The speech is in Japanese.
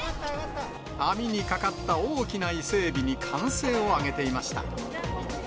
網にかかった大きなイセエビに歓声を上げていました。